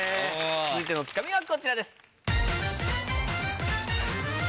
続いてのツカミはこちらです。